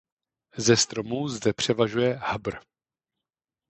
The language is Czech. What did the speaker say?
Ze stromů zde převažuje habr.